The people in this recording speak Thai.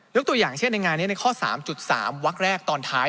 ตัวอย่างเช่นในงานนี้ในข้อ๓๓วักแรกตอนท้าย